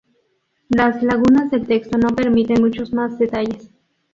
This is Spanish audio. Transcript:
Las lagunas del texto no permiten muchos más detalles.